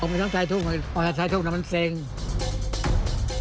ผมไม่ต้องใส่ทุ่มเพราะถ้าใส่ทุ่มแล้วมันเศร้า